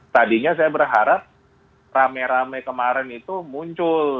tadinya saya berharap rame rame kemarin itu muncul